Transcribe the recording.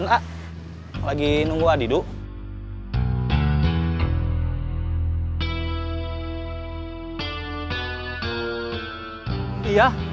sama above ya sama saya juga kata lidow ada empat orang yang dan